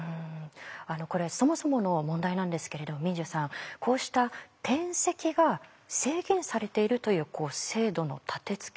これそもそもの問題なんですけれど毛受さんこうした転籍が制限されているという制度の立てつけ